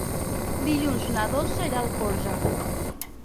Dilluns na Dolça irà a Alforja.